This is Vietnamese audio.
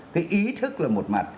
cái ý thức là một mặt